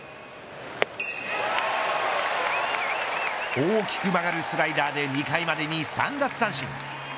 大きく曲がるスライダーで２回までに３奪三振。